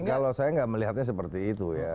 kalau saya nggak melihatnya seperti itu ya